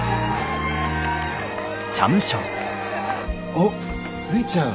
おっるいちゃん。